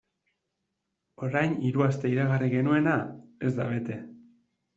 Orain hiru aste iragarri genuena ez da bete.